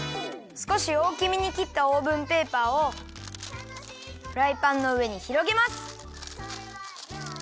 すこしおおきめにきったオーブンペーパーをフライパンのうえにひろげます。